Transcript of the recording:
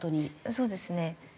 そうですね。